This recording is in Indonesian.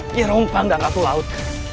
nyai rumpang dan ratu laut